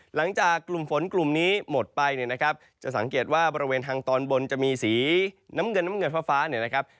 หลังจากกลุ่มฝนกลุ่มนี้หมดไปเนี่ยนะครับจะสังเกตว่าบริเวณทางตอนบนจะมีสีน้ำเงินน้ำเงินฟ้าเนี่ยนะครับ